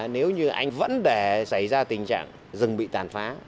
nếu như anh vẫn để xảy ra tình trạng rừng bị tàn phá